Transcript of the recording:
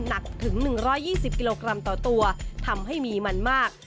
หนักถึง๑๒๐กิโลกรัมต่อตัวทำให้มีมันมาก